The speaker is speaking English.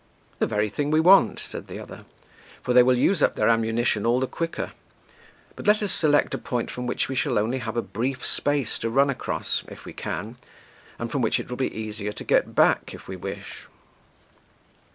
"The very thing we want," said the other, "for they will use up their ammunition all the quicker; but let us select a point from which we shall have only a brief space to run across, if we can, and from which it will be easier to get back, if we wish."